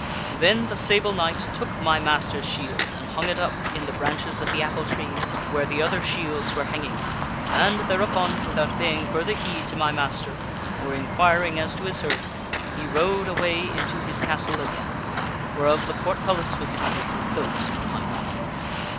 " Then the Sable Knight took my master's shield and hung it up in the branches of the apple tree where the other shields were hanging, and, thereupon, without paying further heed to my master, or inquiring as to his hurt, he rode away into his castle again, whereof the portcullis was immediately closed behind him.